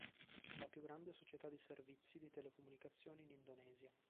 È la più grande società di servizi di telecomunicazioni in Indonesia.